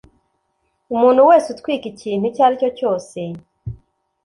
Umuntu wese utwika ikintu icyo ari cyose